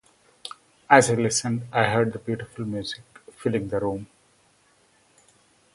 As I listened, I heard the beautiful music filling the room.